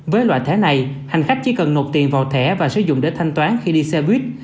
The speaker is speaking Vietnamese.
với loại thẻ này hành khách chỉ cần nộp tiền vào thẻ và sử dụng để thanh toán khi đi xe buýt